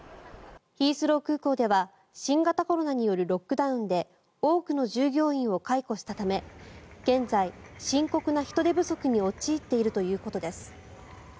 ヒースロー空港では新型コロナによるロックダウンで多くの従業員を解雇したため現在、深刻な人手不足に陥っているということです。